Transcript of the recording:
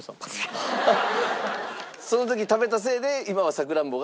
その時食べたせいで今はサクランボが。